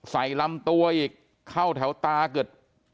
ใส่ลำตัวยกษเกิด